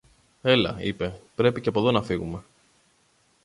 Έλα, είπε, πρέπει και από δω να φύγομε.